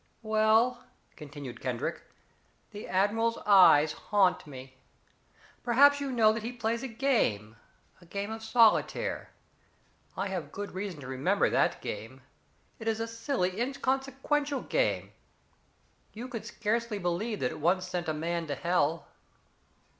"Well," continued Kendrick, "the admiral's eyes haunt me. Perhaps you know that he plays a game a game of solitaire. I have good reason to remember that game. It is a silly inconsequential game. You would scarcely believe that it once sent a man to hell."